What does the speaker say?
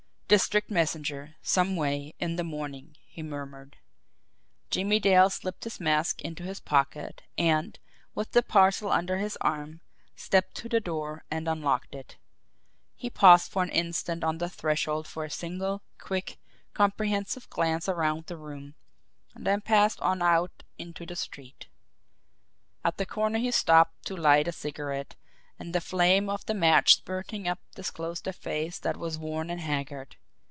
"District messenger some way in the morning," he murmured. Jimmie Dale slipped his mask into his pocket, and, with the parcel under his arm, stepped to the door and unlocked it. He paused for an instant on the threshold for a single, quick, comprehensive glance around the room then passed on out into the street. At the corner he stopped to light a cigarette and the flame of the match spurting up disclosed a face that was worn and haggard.